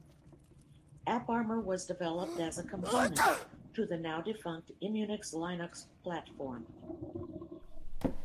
AppArmor was developed as a component to the now-defunct Immunix Linux platform.